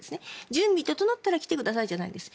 準備が整ったら来てくださいじゃないんです。